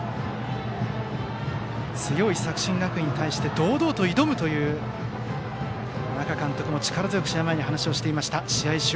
強い作新学院に対して堂々と挑むと、那賀監督も力強く試合前に話をしていました。